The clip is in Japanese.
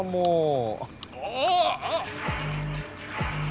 ああ。